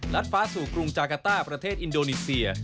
ฟ้าสู่กรุงจากาต้าประเทศอินโดนีเซีย